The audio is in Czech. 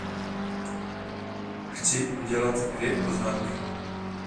Chci udělat dvě poznámky.